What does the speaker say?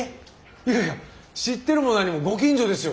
いやいや知ってるも何もご近所ですよ。